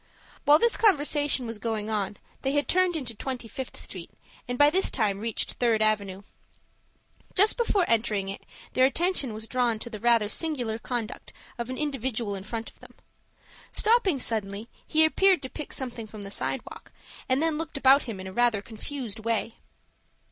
While this conversation was going on, they had turned into Twenty fifth Street, and had by this time reached Third Avenue. Just before entering it, their attention was drawn to the rather singular conduct of an individual in front of them. Stopping suddenly, he appeared to pick up something from the sidewalk, and then looked about him in rather a confused way.